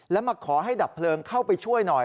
แล้วมาขอให้ดับเพลิงเข้าไปช่วยหน่อย